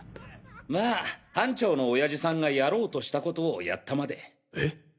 まあ班長の親父さんがやろうとしたコトをやったまで。え？